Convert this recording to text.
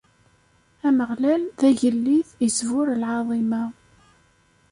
Ameɣlal, d agellid, isburr lɛaḍima.